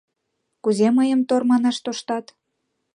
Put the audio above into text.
Кузе мыйым тор манаш тоштат?